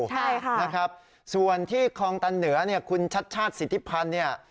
ใช่ค่ะนะครับส่วนที่คลองตันเหนือเนี่ยคุณชัดชาติสิทธิพันธ์เนี่ย